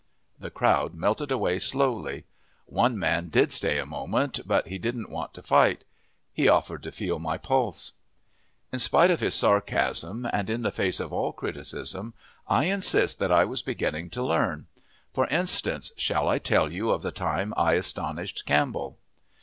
The crowd melted away slowly. One man did stay a moment, but he didn't want to fight. He offered to feel my pulse. In spite of his sarcasm, and in the face of all criticism, I insist that I was beginning to learn. For instance, shall I tell you of the time I astonished Campbell?